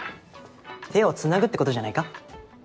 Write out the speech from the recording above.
手をつなぐってことじゃないか？